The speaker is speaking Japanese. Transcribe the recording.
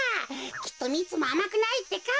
きっとミツもあまくないってか。